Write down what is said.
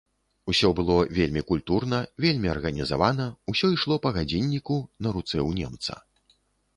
Усё было вельмі культурна, вельмі арганізавана, усё ішло па гадзінніку на руцэ ў немца.